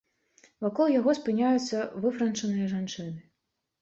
Вакол яго спыняюцца выфранчаныя жанчыны.